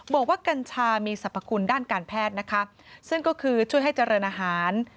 กัญชามีสรรพคุณด้านการแพทย์นะคะซึ่งก็คือช่วยให้เจริญอาหาร